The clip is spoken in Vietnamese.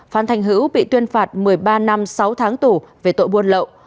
phan thành hữu bị tuyên phạt một mươi ba năm sáu tháng tù về tội buôn lậu